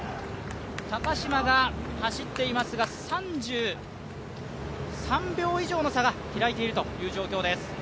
高島が走っていますが、３３秒以上の差が開いているという状況です。